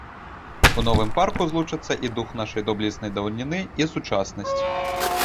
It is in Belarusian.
У новым парку злучацца і дух нашай доблеснай даўніны, і сучаснасць.